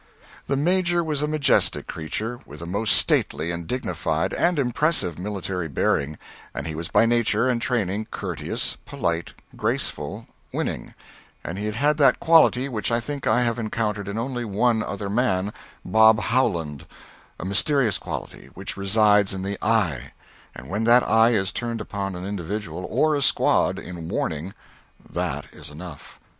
The Major was a majestic creature, with a most stately and dignified and impressive military bearing, and he was by nature and training courteous, polite, graceful, winning; and he had that quality which I think I have encountered in only one other man Bob Howland a mysterious quality which resides in the eye; and when that eye is turned upon an individual or a squad, in warning, that is enough.